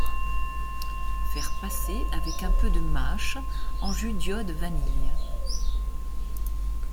Faire passer avec un peu de mâche en jus d'iode vanille.